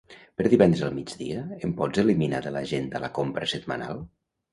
Per divendres al migdia em pots eliminar de l'agenda la compra setmanal?